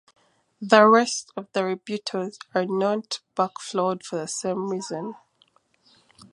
The rest of the rebuttals are not backflowed for the same reason.